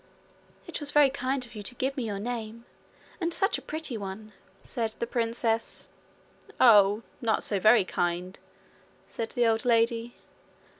'It was very kind of you to give me your name and such a pretty one,' said the princess. 'Oh, not so very kind!' said the old lady.